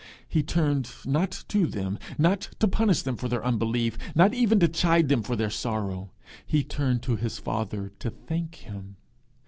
He turned, not to them, not to punish them for their unbelief, not even to chide them for their sorrow; he turned to his father to thank him.